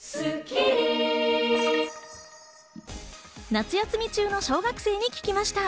夏休み中の小学生に聞きました。